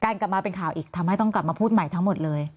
กลับมาเป็นข่าวอีกทำให้ต้องกลับมาพูดใหม่ทั้งหมดเลย